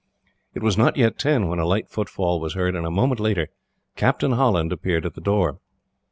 It was not yet ten when a light footfall was heard, and a moment later Captain Holland appeared at the door.